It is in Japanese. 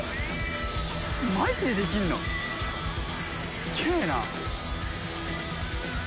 すげえな。